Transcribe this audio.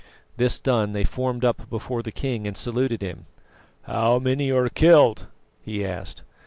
This done, they formed up before the king and saluted him. "How many are killed?" he asked.